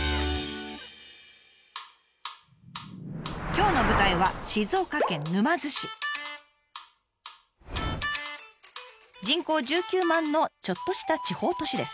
今日の舞台は人口１９万のちょっとした地方都市です。